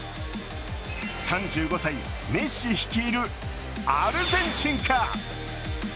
３５歳、メッシ率いるアルゼンチンか。